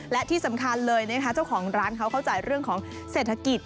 และที่สำคัญเลยนะคะเจ้าของร้านเขาเข้าใจเรื่องของเศรษฐกิจ